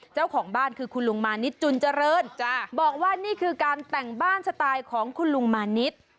เจ้าของบ้านคือคุณลุงมานิดจุนเจริญบอกว่านี่คือการแต่งบ้านสไตล์ของคุณลุงมานิด